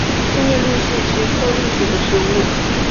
线叶蓟是菊科蓟属的植物。